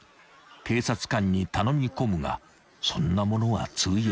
［警察官に頼み込むがそんなものは通用しない］